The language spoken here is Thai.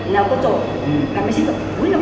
แล้วก็จบอืม